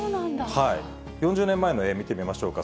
４０年前の絵、見てみましょうか。